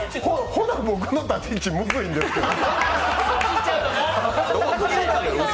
ほな、僕の立ち位置、むずいんですけど。